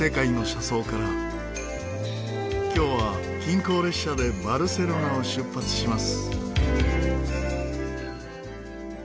今日は近郊列車でバルセロナを出発します。